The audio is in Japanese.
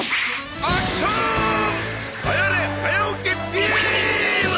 アクショーン早寝早起きビーム！